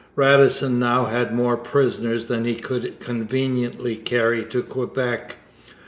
Radisson now had more prisoners than he could conveniently carry to Quebec.